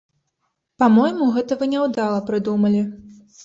Па-мойму, гэта вы няўдала прыдумалі.